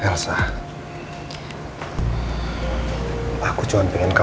karena tuhan aku pilih kamu tadi ngaww getar